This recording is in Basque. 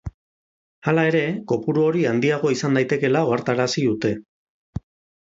Hala ere, kopuru hori handiagoa izan daitekeela ohartarazi dute.